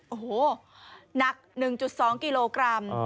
โอ้โหหนัก๑๒กิโลกรัม